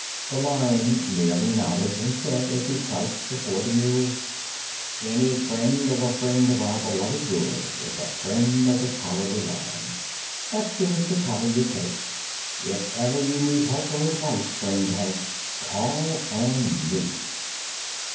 The Lion merely nodded and said, as he crouched before the mule: "Any friend of a friend of our beloved Ruler is a friend of the Cowardly Lion. That seems to cover your case. If ever you need help or advice, friend Hank, call on me."